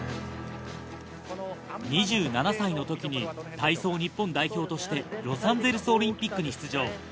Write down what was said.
２７歳の時に体操日本代表としてロサンゼルスオリンピックに出場。